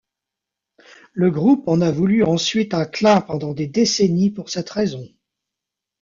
Le groupe en a voulu ensuite à Klein pendant des décennies pour cette raison.